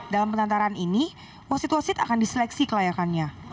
dalam penantaran ini wasit wasit akan diseleksi kelayakannya